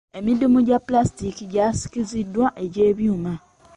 Emidumu egya pulasitika gyasikiziddwa egy'ebyuma.